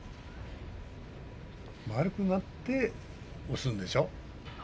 丸くなって押すんでしょう？